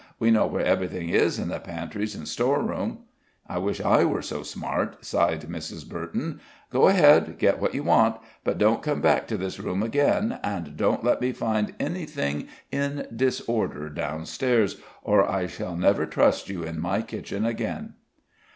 We know where everything is in the pantries and store room." "I wish I were so smart," sighed Mrs Burton. "Go along get what you want but don't come back to this room again. And don't let me find anything in disorder down stairs, or I shall never trust you in my kitchen again."